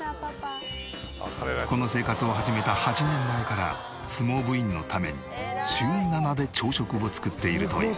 この生活を始めた８年前から相撲部員のために週７で朝食を作っているという。